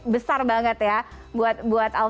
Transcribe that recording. besar banget ya buat alfie andi